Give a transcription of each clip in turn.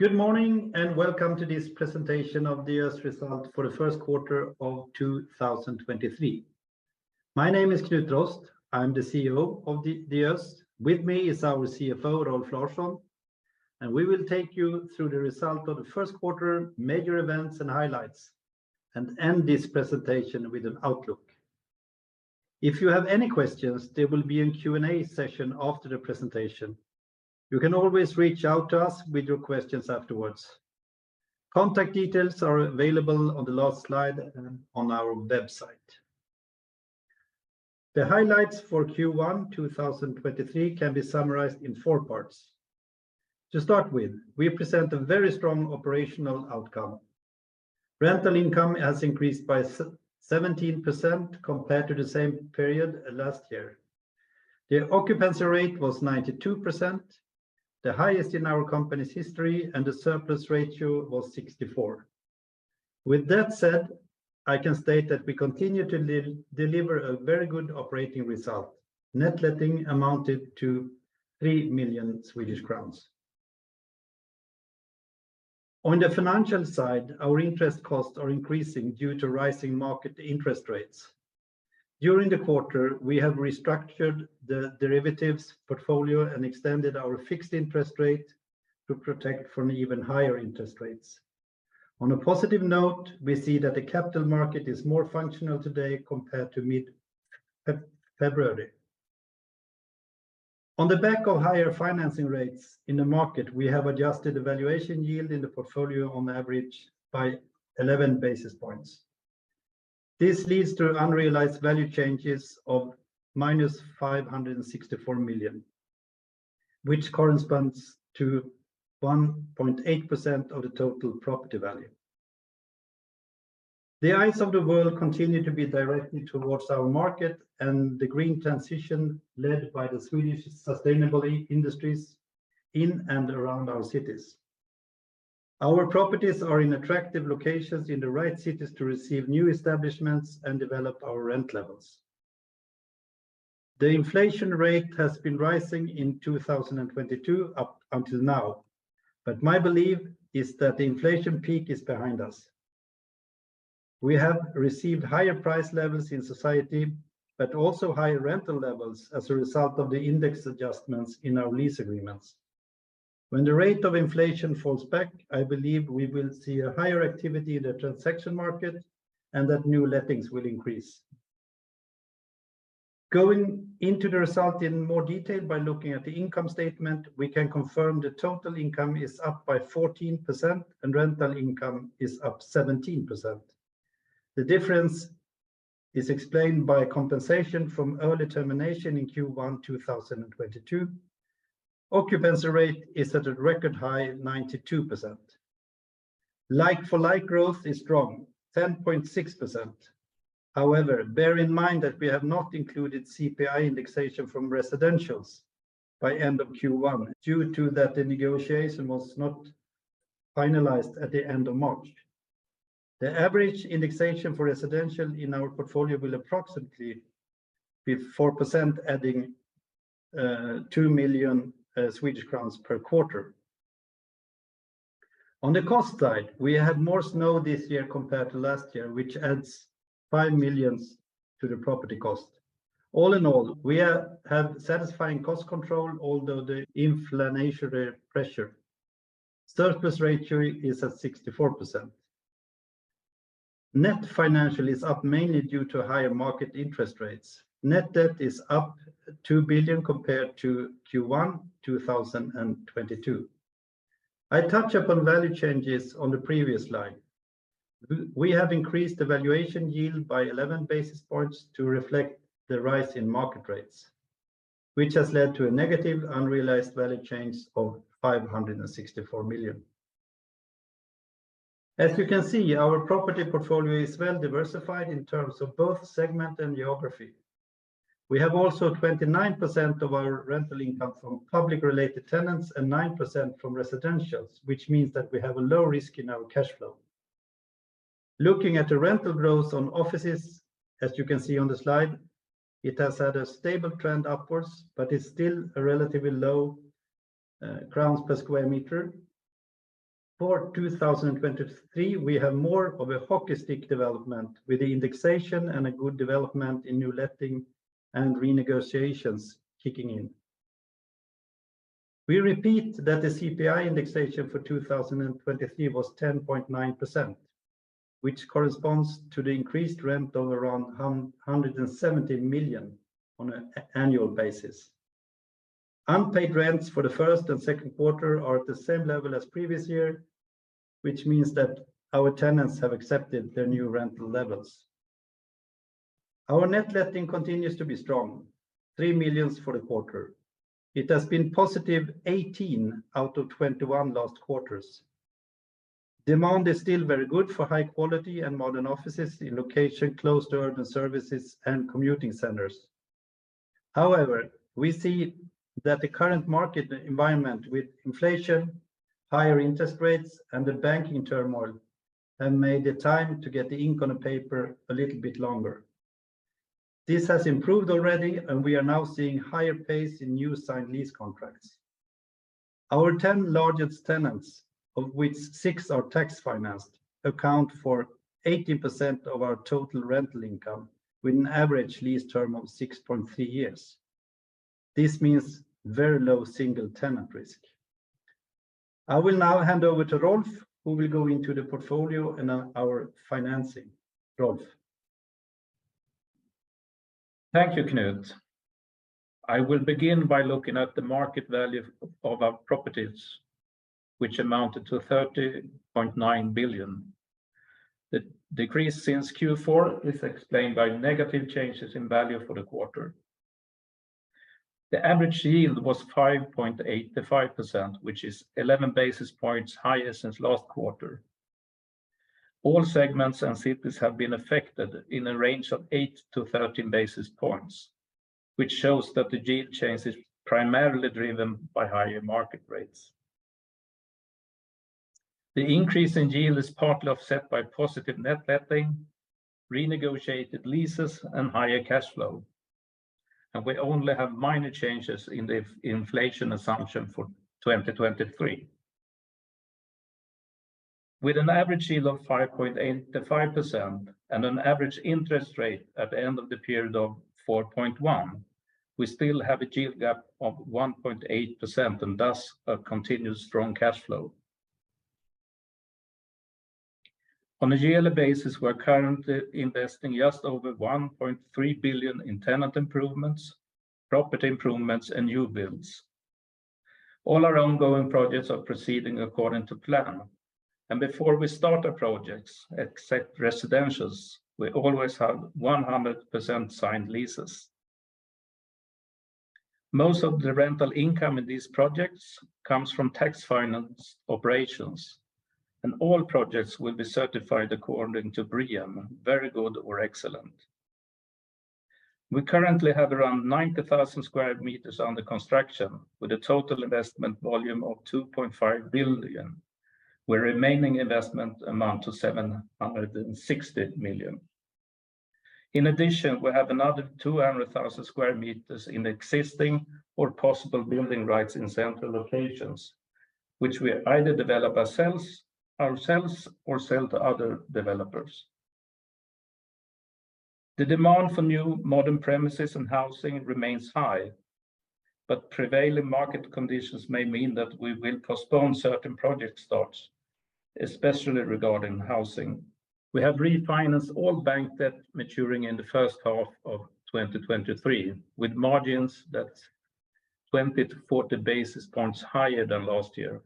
Good morning. Welcome to this presentation of Diös result for the first quarter of 2023. My name is Knut Rost. I'm the CEO of Diös. With me is our CFO, Rolf Larsson. We will take you through the result of the first quarter, major events and highlights, and end this presentation with an outlook. If you have any questions, there will be a Q&A session after the presentation. You can always reach out to us with your questions afterwards. Contact details are available on the last slide and on our website. The highlights for Q1 2023 can be summarized in four parts. To start with, we present a very strong operational outcome. Rental income has increased by 17% compared to the same period last year. The occupancy rate was 92%, the highest in our company's history. The surplus ratio was 64%. With that said, I can state that we continue to deliver a very good operating result. Net letting amounted to 3 million Swedish crowns. On the financial side, our interest costs are increasing due to rising market interest rates. During the quarter, we have restructured the derivatives portfolio and extended our fixed interest rate to protect from even higher interest rates. On a positive note, we see that the capital market is more functional today compared to mid-February. On the back of higher financing rates in the market, we have adjusted the valuation yield in the portfolio on average by 11 basis points. This leads to unrealized value changes of minus 564 million, which corresponds to 1.8% of the total property value. The eyes of the world continue to be directly towards our market and the green transition led by the Swedish sustainable industries in and around our cities. Our properties are in attractive locations in the right cities to receive new establishments and develop our rent levels. The inflation rate has been rising in 2022 up until now, but my belief is that the inflation peak is behind us. We have received higher price levels in society, but also higher rental levels as a result of the index adjustments in our lease agreements. When the rate of inflation falls back, I believe we will see a higher activity in the transaction market and that new lettings will increase. Going into the result in more detail by looking at the income statement, we can confirm the total income is up by 14% and rental income is up 17%. The difference is explained by compensation from early termination in Q1 2022. Occupancy rate is at a record high of 92%. Like for like growth is strong, 10.6%. Bear in mind that we have not included CPI indexation from residentials by end of Q1 due to that the negotiation was not finalized at the end of March. The average indexation for residential in our portfolio will approximately be 4%, adding 2 million Swedish crowns per quarter. We had more snow this year compared to last year, which adds 5 million to the property cost. All in all, we have satisfying cost control, although the inflationary pressure. Surplus ratio is at 64%. Net financial is up mainly due to higher market interest rates. Net debt is up 2 billion compared to Q1 2022. I touch upon value changes on the previous slide. We have increased the valuation yield by 11 basis points to reflect the rise in market rates, which has led to a negative unrealized value change of 564 million. As you can see, our property portfolio is well-diversified in terms of both segment and geography. We have also 29% of our rental income from public-related tenants and 9% from residentials, which means that we have a low risk in our cash flow. Looking at the rental growth on offices, as you can see on the slide, it has had a stable trend upwards. It's still a relatively low krona per square meter. For 2023, we have more of a hockey stick development with the indexation and a good development in new letting and renegotiations kicking in. We repeat that the CPI indexation for 2023 was 10.9%, which corresponds to the increased rent of around 170 million on an annual basis. Unpaid rents for the first and second quarter are at the same level as previous year, which means that our tenants have accepted their new rental levels. Our net letting continues to be strong, 3 million for the quarter. It has been positive 18 out of 21 last quarters. Demand is still very good for high quality and modern offices in location close to urban services and commuting centers. We see that the current market environment with inflation, higher interest rates, and the banking turmoil have made the time to get the ink on the paper a little bit longer. This has improved already, we are now seeing higher pace in new signed lease contracts. Our 10 largest tenants, of which six are tax-financed, account for 80% of our total rental income with an average lease term of 6.3 years. This means very low single tenant risk. I will now hand over to Rolf, who will go into the portfolio and our financing. Rolf? Thank you, Knut. I will begin by looking at the market value of our properties, which amounted to 30.9 billion. The decrease since Q4 is explained by negative changes in value for the quarter. The average yield was 5.85%, which is 11 basis points higher since last quarter. All segments and cities have been affected in a range of eight to 13 basis points, which shows that the yield change is primarily driven by higher market rates. The increase in yield is partly offset by positive net letting, renegotiated leases, and higher cash flow. We only have minor changes in the inflation assumption for 2023. With an average yield of 5.85% and an average interest rate at the end of the period of 4.1%, we still have a yield gap of 1.8%, and thus, a continued strong cash flow. On a yearly basis, we are currently investing just over 1.3 billion in tenant improvements, property improvements, and new builds. All our ongoing projects are proceeding according to plan. Before we start our projects, except residentials, we always have 100% signed leases. Most of the rental income in these projects comes from tax-financed operations. All projects will be certified according to BREEAM, Very Good or Excellent. We currently have around 90,000 square meters under construction with a total investment volume of 2.5 billion, where remaining investment amount to 760 million. In addition, we have another 200,000 square meters in existing or possible building rights in central locations, which we either develop ourselves or sell to other developers. The demand for new modern premises and housing remains high, but prevailing market conditions may mean that we will postpone certain project starts, especially regarding housing. We have refinanced all bank debt maturing in the first half of 2023, with margins that's 20 to 40 basis points higher than last year.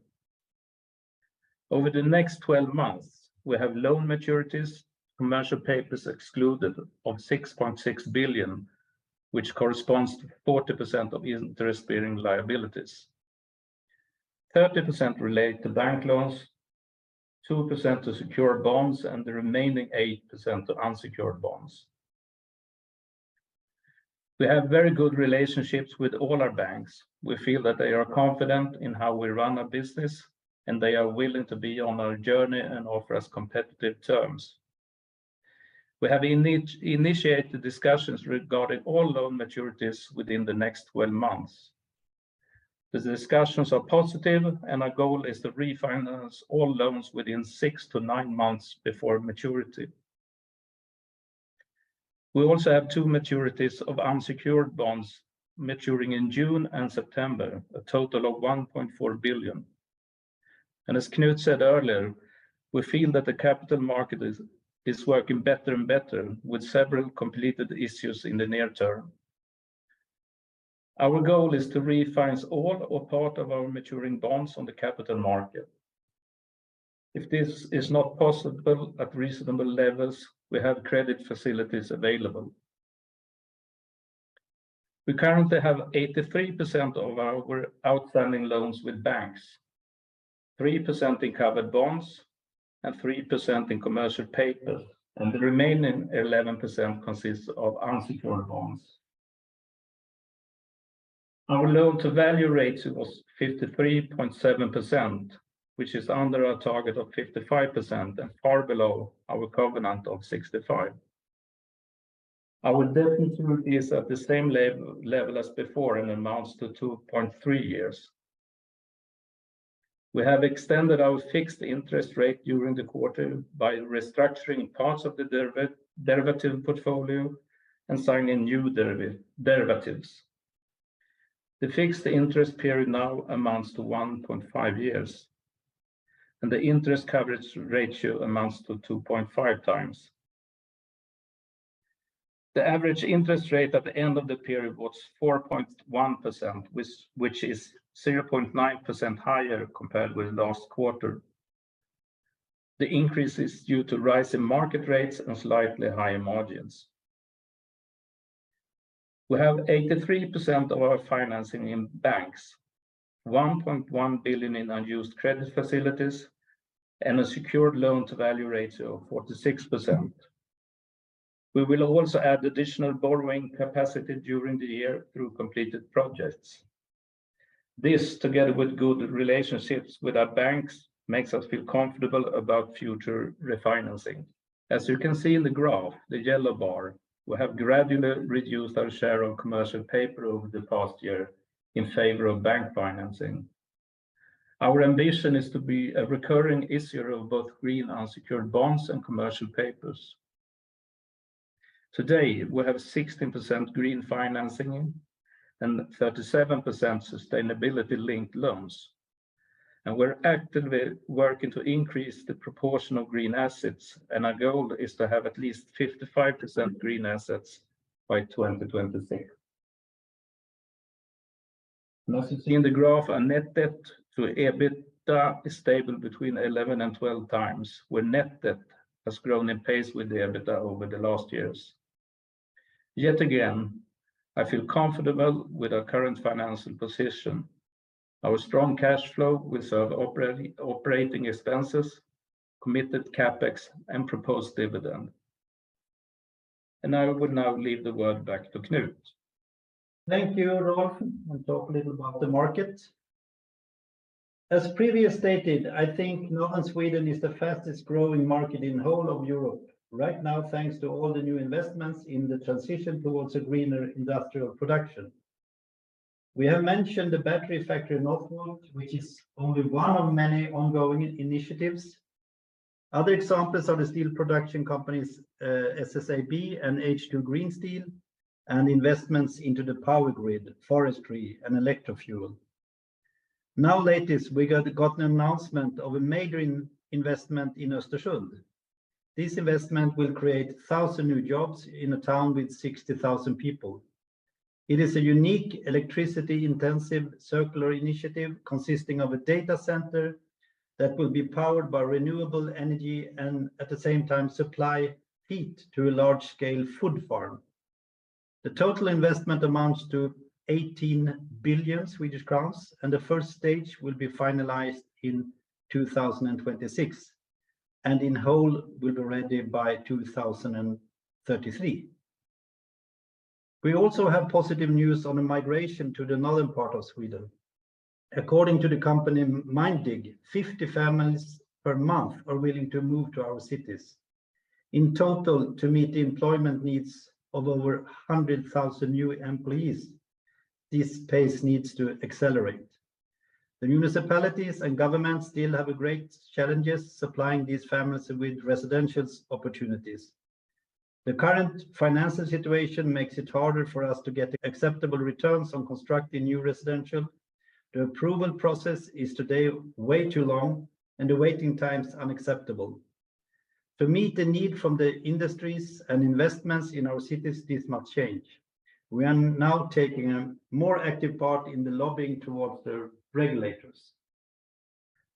Over the next 12 months, we have loan maturities, commercial papers excluded, of 6.6 billion, which corresponds to 40% of interest-bearing liabilities. 30% relate to bank loans, 2% to secured bonds, and the remaining 8% to unsecured bonds. We have very good relationships with all our banks. We feel that they are confident in how we run our business, and they are willing to be on our journey and offer us competitive terms. We have initiated discussions regarding all loan maturities within the next 12 months. The discussions are positive. Our goal is to refinance all loans within six to nine months before maturity. We also have two maturities of unsecured bonds maturing in June and September, a total of 1.4 billion. As Knut said earlier, we feel that the capital market is working better and better with several completed issues in the near term. Our goal is to refinance all or part of our maturing bonds on the capital market. If this is not possible at reasonable levels, we have credit facilities available. We currently have 83% of our outstanding loans with banks, 3% in covered bonds, 3% in commercial paper, the remaining 11% consists of unsecured bonds. Our loan-to-value ratio was 53.7%, which is under our target of 55% and far below our covenant of 65%. Our debt maturity is at the same level as before and amounts to 2.3 years. We have extended our fixed interest rate during the quarter by restructuring parts of the derivative portfolio and signing new derivatives. The fixed interest period now amounts to 1.5 years, and the interest coverage ratio amounts to 2.5x. The average interest rate at the end of the period was 4.1%, which is 0.9% higher compared with last quarter. The increase is due to rise in market rates and slightly higher margins. We have 83% of our financing in banks, 1.1 billion in unused credit facilities, and a secured loan-to-value ratio of 46%. We will also add additional borrowing capacity during the year through completed projects. This together with good relationships with our banks makes us feel comfortable about future refinancing. As you can see in the graph, the yellow bar will have gradually reduced our share of commercial paper over the past year in favor of bank financing. Our ambition is to be a recurring issuer of both green unsecured bonds and commercial papers. Today, we have 16% green financing and 37% sustainability-linked loans. We're actively working to increase the proportion of green assets, and our goal is to have at least 55% green assets by 2026. Now, as you see in the graph our net debt to EBITDA is stable between 11 and 12 times, where net debt has grown in pace with the EBITDA over the last years. Yet again, I feel comfortable with our current financial position. Our strong cash flow will serve operating expenses, committed CapEx, and proposed dividend. I would now leave the word back to Knut. Thank you, Rolf. I'll talk a little about the market. As previously stated, I think Northern Sweden is the fastest-growing market in whole of Europe right now, thanks to all the new investments in the transition towards a greener industrial production. We have mentioned the battery factory Northvolt, which is only one of many ongoing initiatives. Other examples are the steel production companies, SSAB and H2 Green Steel, and investments into the power grid, forestry, and electro fuel. Now latest, we gotten announcement of a major investment in Östersund. This investment will create 1,000 new jobs in a town with 60,000 people. It is a unique electricity-intensive circular initiative consisting of a data center that will be powered by renewable energy and at the same time supply heat to a large-scale food farm. The total investment amounts to 18 billion Swedish crowns, and the first stage will be finalized in 2026, and in whole will be ready by 2033. We also have positive news on the migration to the northern part of Sweden. According to the company MindDig, 50 families per month are willing to move to our cities. In total, to meet the employment needs of over 100,000 new employees, this pace needs to accelerate. The municipalities and government still have a great challenges supplying these families with residentials opportunities. The current financial situation makes it harder for us to get acceptable returns on constructing new residential. The approval process is today way too long, and the waiting times unacceptable. To meet the need from the industries and investments in our cities, this must change. We are now taking a more active part in the lobbying towards the regulators.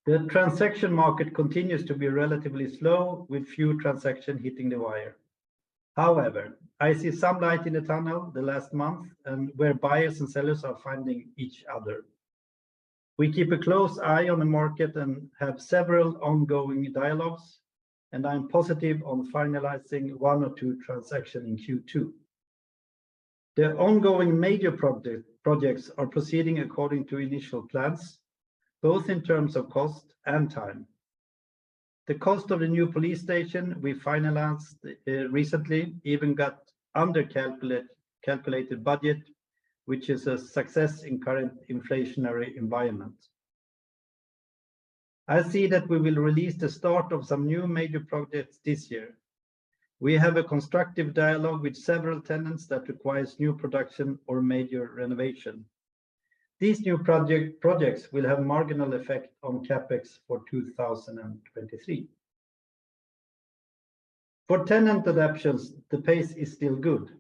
The transaction market continues to be relatively slow, with few transactions hitting the wire. However, I see some light in the tunnel the last month and where buyers and sellers are finding each other. We keep a close eye on the market and have several ongoing dialogues, I am positive on finalizing one or two transaction in Q2. The ongoing major projects are proceeding according to initial plans, both in terms of cost and time. The cost of the new police station we finalized recently even got under calculated budget, which is a success in current inflationary environment. I see that we will release the start of some new major projects this year. We have a constructive dialogue with several tenants that requires new production or major renovation. These new projects will have marginal effect on CapEx for 2023. For tenant adaptations, the pace is still good,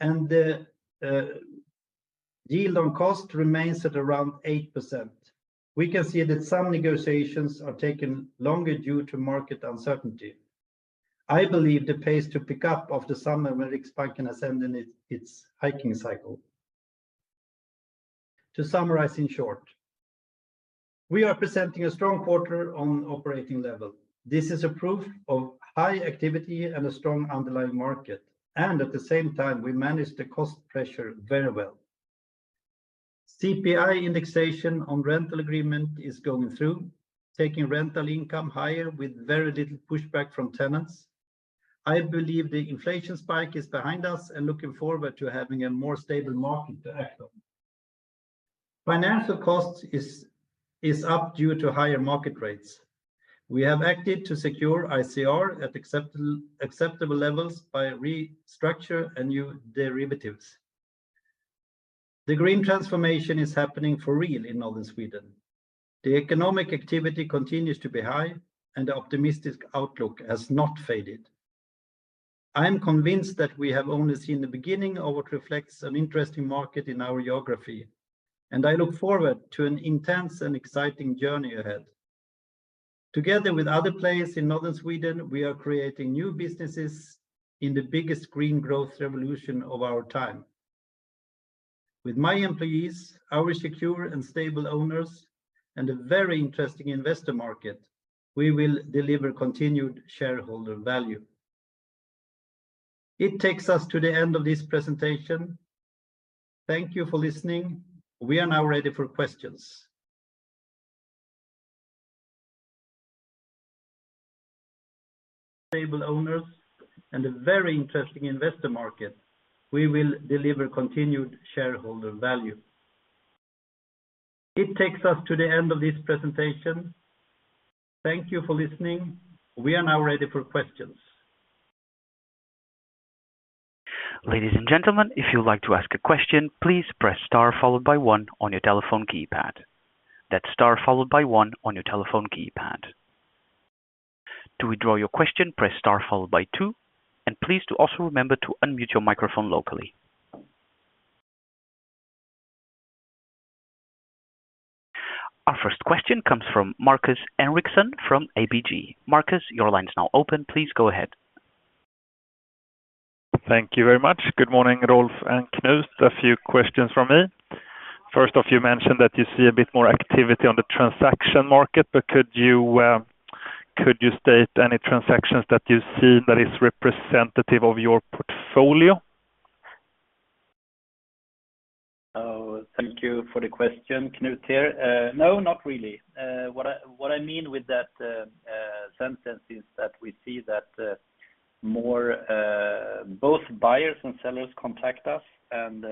and the yield on cost remains at around 8%. We can see that some negotiations are taking longer due to market uncertainty. I believe the pace to pick up after summer when Riksbank can ascend in its hiking cycle. To summarize in short, we are presenting a strong quarter on operating level. This is a proof of high activity and a strong underlying market, and at the same time, we manage the cost pressure very well. CPI indexation on rental agreement is going through, taking rental income higher with very little pushback from tenants. I believe the inflation spike is behind us and looking forward to having a more stable market to act on. Financial costs is up due to higher market rates. We have acted to secure ICR at acceptable levels by restructure and new derivatives. The green transformation is happening for real in Northern Sweden. The economic activity continues to be high. The optimistic outlook has not faded. I am convinced that we have only seen the beginning of what reflects an interesting market in our geography, and I look forward to an intense and exciting journey ahead. Together with other players in Northern Sweden, we are creating new businesses in the biggest green growth revolution of our time. With my employees, our secure and stable owners, and a very interesting investor market, we will deliver continued shareholder value. It takes us to the end of this presentation. Thank you for listening. We are now ready for questions. Stable owners and a very interesting investor market, we will deliver continued shareholder value. It takes us to the end of this presentation. Thank you for listening. We are now ready for questions. Ladies and gentlemen, if you'd like to ask a question, please press star followed by one on your telephone keypad. That's star followed by one on your telephone keypad. To withdraw your question, press star followed by two, and please to also remember to unmute your microphone locally. Our first question comes from Markus Henriksson from ABG. Markus, your line is now open. Please go ahead. Thank you very much. Good morning, Rolf and Knut. A few questions from me. First off, you mentioned that you see a bit more activity on the transaction market. Could you state any transactions that you see that is representative of your portfolio? Thank you for the question, Knut here. No, not really. What I mean with that sentence is that we see that more both buyers and sellers contact us and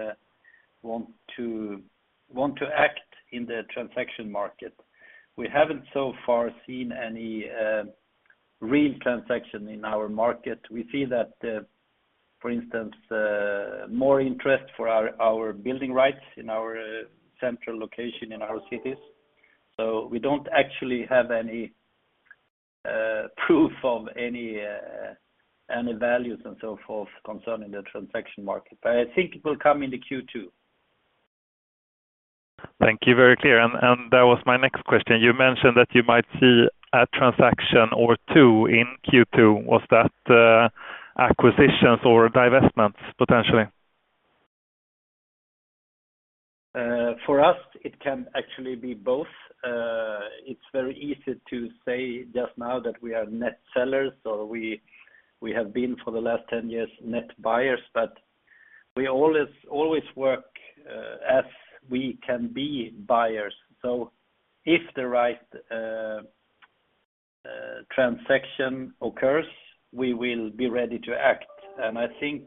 want to act in the transaction market. We haven't so far seen any real transaction in our market. We see that, for instance, more interest for our building rights in our central location in our cities. We don't actually have any proof of any values and so forth concerning the transaction market. I think it will come into Q2. Thank you. Very clear. That was my next question. You mentioned that you might see a transaction or two in Q2. Was that acquisitions or divestments potentially? For us, it can actually be both. It's very easy to say just now that we are net sellers or we have been for the last 10 years net buyers, but we always work as we can be buyers. If the right transaction occurs, we will be ready to act. I think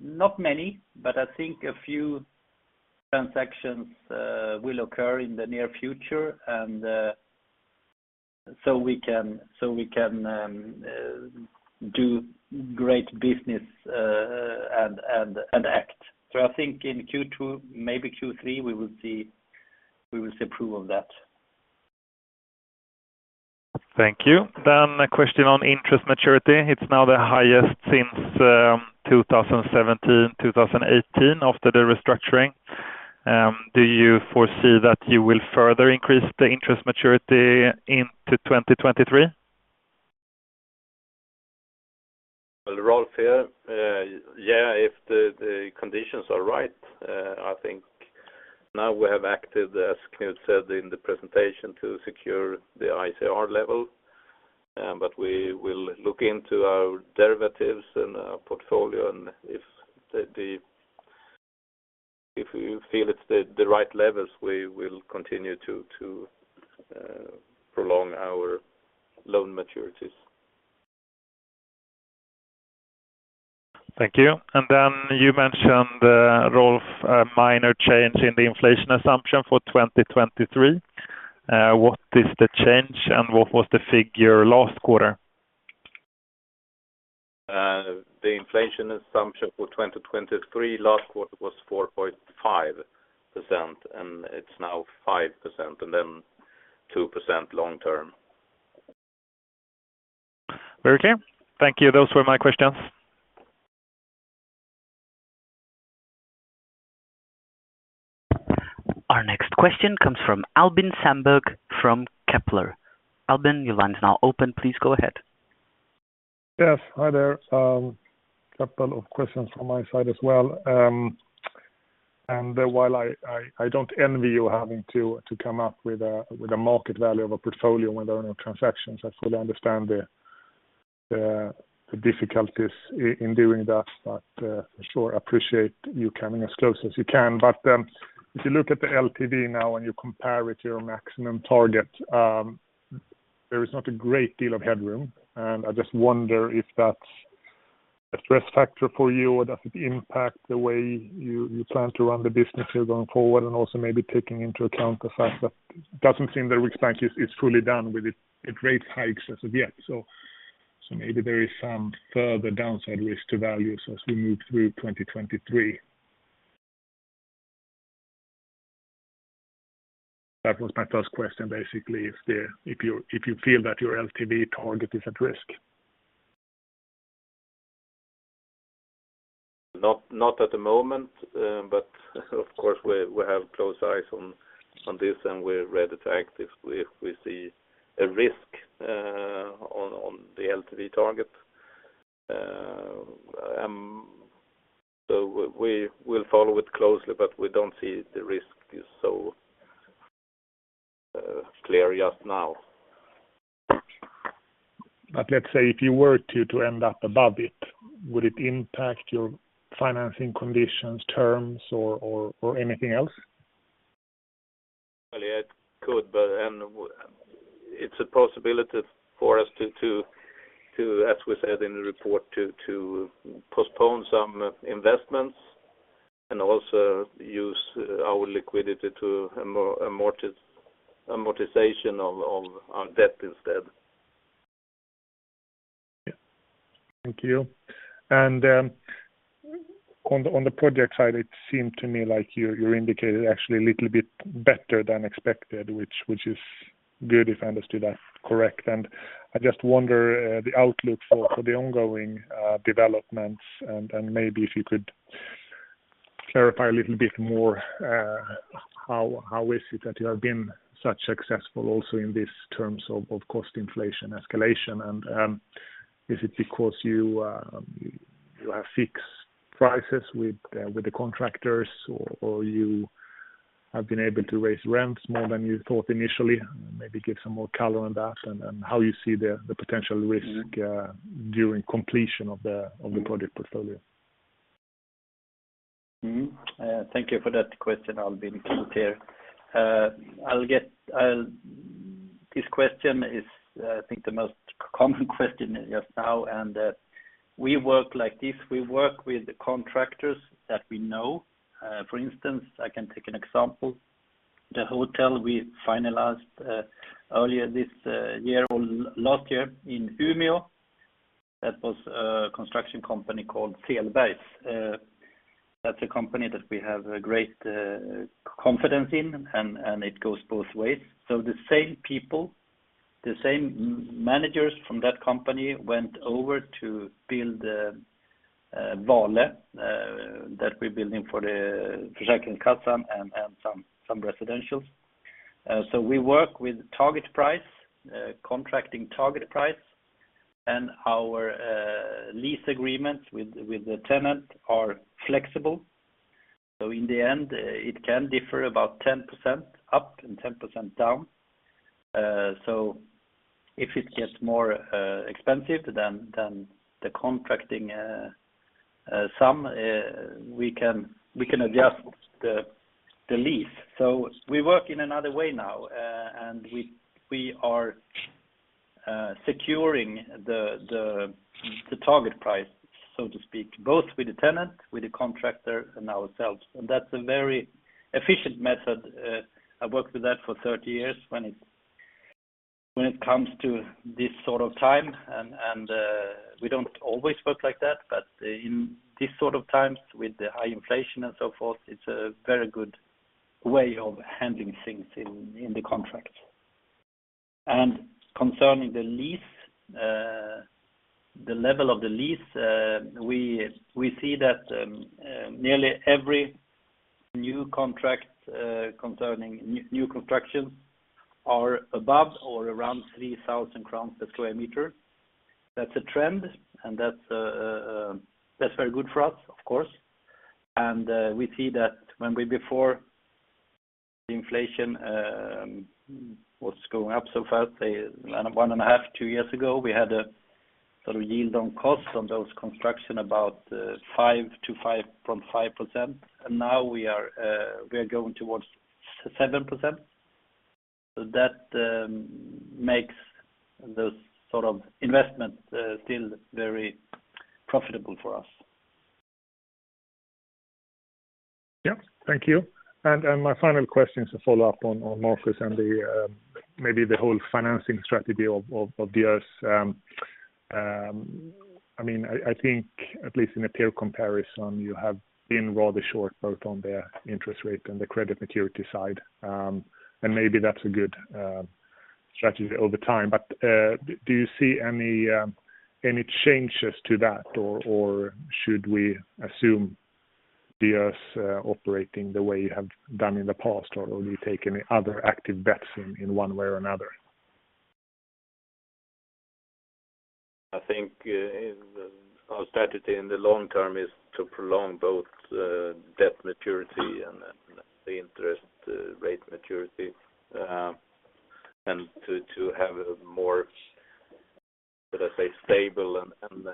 not many, but I think a few transactions will occur in the near future. We can do great business and act. I think in Q2, maybe Q3, we will see proof of that. Thank you. A question on interest maturity. It's now the highest since 2017, 2018 after the restructuring. Do you foresee that you will further increase the interest maturity into 2023? Rolf here. Yeah, if the conditions are right, I think now we have acted, as Knut said in the presentation, to secure the ICR level. We will look into our derivatives and our portfolio, and if we feel it's the right levels, we will continue to prolong our loan maturities. Thank you. You mentioned, Rolf, a minor change in the inflation assumption for 2023. What is the change and what was the figure last quarter? The inflation assumption for 2023 last quarter was 4.5%, and it's now 5%, and then 2% long term. Very clear. Thank you. Those were my questions. Our next question comes from Albin Sandberg from Kepler. Albin, your line is now open. Please go ahead. Yes. Hi there. A couple of questions from my side as well. While I don't envy you having to come up with a market value of a portfolio when there are no transactions, I fully understand the difficulties in doing that, for sure, appreciate you coming as close as you can. If you look at the LTV now and you compare it to your maximum target, there is not a great deal of headroom. I just wonder if that's a stress factor for you, or does it impact the way you plan to run the business here going forward? Also maybe taking into account the fact that it doesn't seem the Riksbank is fully done with its rate hikes as of yet. Maybe there is some further downside risk to values as we move through 2023. That was my first question, basically, if you feel that your LTV target is at risk. Not at the moment. Of course, we have close eyes on this and we're ready to act if we see a risk, on the LTV target. We'll follow it closely, but we don't see the risk is so clear just now. Let's say if you were to end up above it, would it impact your financing conditions, terms, or anything else? Yeah, it could, but it's a possibility for us to, as we said in the report, to postpone some investments and also use our liquidity to amortization of our debt instead. Yeah. Thank you. On the project side, it seemed to me like you're indicated actually a little bit better than expected, which is good if I understood that correct. I just wonder the outlook for the ongoing developments and maybe if you could clarify a little bit more how is it that you have been such successful also in this terms of cost inflation escalation? Is it because you have fixed prices with the contractors or you have been able to raise rents more than you thought initially? Maybe give some more color on that and how you see the potential risk during completion of the project portfolio. Thank you for that question, Albin. This question is, I think, the most common question just now. We work like this. We work with the contractors that we know. For instance, I can take an example. The hotel we finalized earlier this year or last year in Umeå, that was a construction company called Selbergs. That's a company that we have a great confidence in, and it goes both ways. The same people, the same managers from that company went over to build Vale, that we're building for the Försäkringskassan and some residentials. We work with target price, contracting target price, and our lease agreements with the tenant are flexible. In the end, it can differ about 10% up and 10% down. If it gets more expensive, the contracting sum, we can adjust the lease. We work in another way now, and we are securing the target price, so to speak, both with the tenant, with the contractor and ourselves. That's a very efficient method. I worked with that for 30 years when it comes to this sort of time and we don't always work like that. In this sort of times with the high inflation and so forth, it's a very good way of handling things in the contract. Concerning the lease, the level of the lease, we see that nearly every new contract concerning new construction are above or around 3,000 crowns per square meter. That's a trend, and that's that's very good for us, of course. We see that when we before the inflation was going up so fast, one and a half, two years ago, we had a sort of yield on cost on those construction about 5% to 5.5%. Now we are we are going towards 7%. That makes those sort of investment still very profitable for us. Yeah. Thank you. My final question is a follow-up on Markus and the maybe the whole financing strategy of Diös. I mean, I think at least in a peer comparison, you have been rather short both on the interest rate and the credit maturity side. Maybe that's a good strategy over time. Do you see any changes to that, or should we assume Diös operating the way you have done in the past, or will you take any other active bets in one way or another? I think, our strategy in the long term is to prolong both, debt maturity and the interest rate maturity, and to have a more, should I say, stable and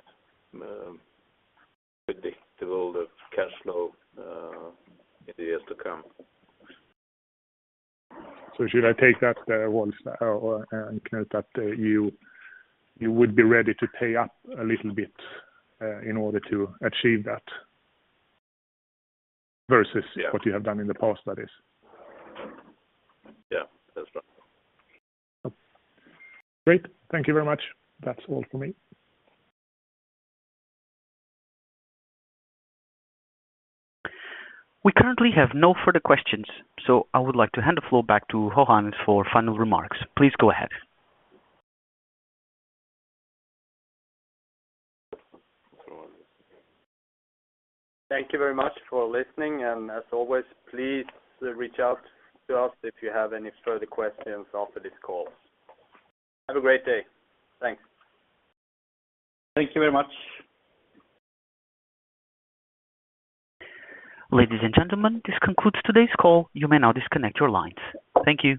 predictable the cash flow, in the years to come. Should I take that once or, and, Knut, that you would be ready to pay up a little bit in order to achieve that versus... Yeah. What you have done in the past, that is? Yeah, that's right. Great. Thank you very much. That's all for me. We currently have no further questions, so I would like to hand the floor back to Johan for final remarks. Please go ahead. Thank you very much for listening, and as always, please reach out to us if you have any further questions after this call. Have a great day. Thanks. Thank you very much. Ladies and gentlemen, this concludes today's call. You may now disconnect your lines. Thank you.